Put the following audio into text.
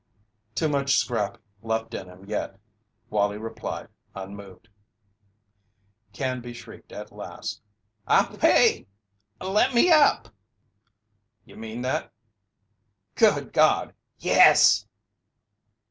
"Too much scrap left in him yet," Wallie replied, unmoved. Canby shrieked at last: "I'll pay! Let me up!" "You mean that?" "Good God YES!"